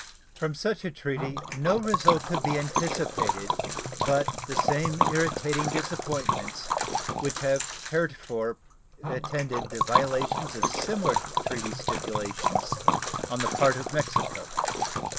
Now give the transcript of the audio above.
From such a treaty no result could be anticipated but the same irritating disappointments which have heretofore attended the violations of similar treaty stipulations on the part of Mexico.